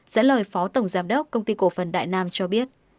dẫn lời phó tổng giám đốc công ty cổ phần đại nam cho biết